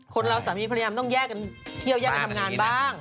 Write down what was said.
คนเราสามีพยายามต้องเที่ยวแยกกันทำงานบ้าง